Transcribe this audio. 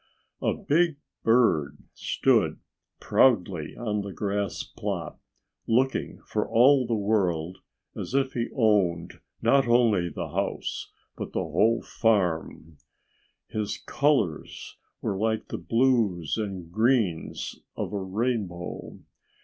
A big bird stood proudly on the grass plot, looking for all the world as if he owned not only the house, but the whole farm. His colors were like the blues and greens of a rainbow.